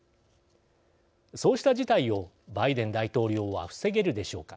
そうした事態をバイデン大統領は防げるでしょうか。